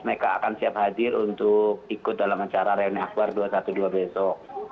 mereka akan siap hadir untuk ikut dalam acara reuni akbar dua ratus dua belas besok